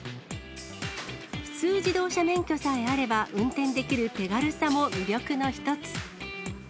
普通自動車免許さえあれば運転できる手軽さも魅力の一つ。